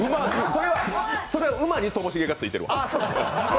それは馬にともしげがついてるわ。